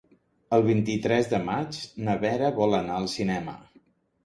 El vint-i-tres de maig na Vera vol anar al cinema.